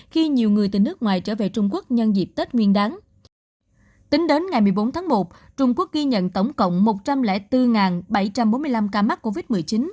tính đến ngày một mươi bốn tháng một trung quốc ghi nhận tổng cộng một trăm linh bốn bảy trăm bốn mươi năm ca mắc covid một mươi chín